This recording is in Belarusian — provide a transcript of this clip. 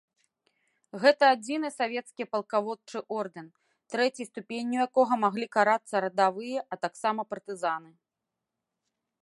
Гэта адзіны савецкі палкаводчы ордэн, трэцяй ступенню якога маглі карацца радавыя, а таксама партызаны.